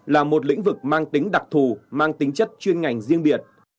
là một lĩnh vực mang tính đặc thù mang tính chất chuyên ngành riêng biệt